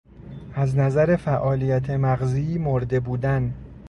از نظر فعالیت مغزی مرده بودن